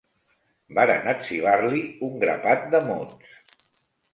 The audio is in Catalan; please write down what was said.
Varen etzibar-li un grapat de mots